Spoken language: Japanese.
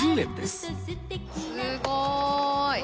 すごーい！